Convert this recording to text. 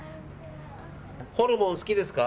ホルモン好きですか？